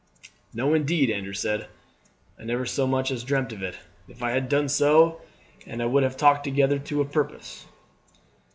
"No, indeed," Andrew said. "I never so much as dreamt of it. If I had done so he and I would have talked together to a purpose."